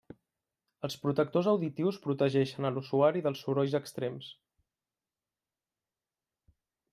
Els protectors auditius protegeixen a l'usuari dels sorolls extrems.